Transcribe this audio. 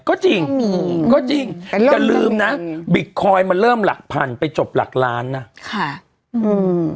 ก็จริงมีก็จริงอันนี้อย่าลืมนะบิตคอยน์มันเริ่มหลักพันไปจบหลักล้านนะค่ะอืม